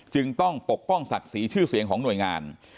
จึงต้องปกป้องศักดิ์ศรีชื่อเสียงของหน่วยงาน